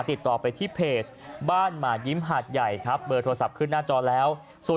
ติดต่อไปที่เพจบ้านหมายิ้มหาดใหญ่ครับเบอร์โทรศัพท์ขึ้นหน้าจอแล้ว